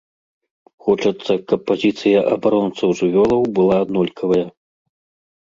Хочацца, каб пазіцыя абаронцаў жывёлаў была аднолькавая.